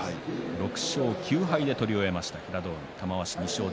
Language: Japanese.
６勝９敗で取り終えました平戸海。